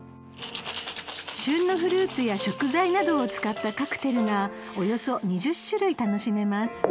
［旬のフルーツや食材などを使ったカクテルがおよそ２０種類楽しめます］